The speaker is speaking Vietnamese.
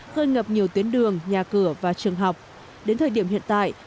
hơi ngập nhiều tuyến đường nhà cửa và trường học đến thời điểm hiện tại